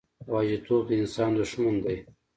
یوازیتوب د انسان دښمن دی.